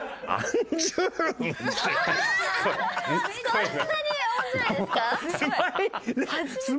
そんなに面白いですか？